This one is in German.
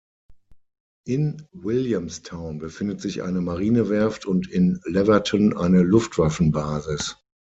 In Williamstown befindet sich eine Marinewerft und in Laverton eine Luftwaffenbasis.